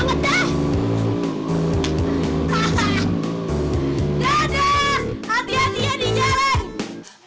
dadah hati hatinya di jalan